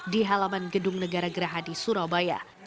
di halaman gedung negara geraha di surabaya